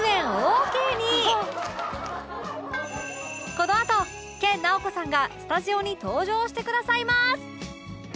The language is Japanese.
このあと研ナオコさんがスタジオに登場してくださいます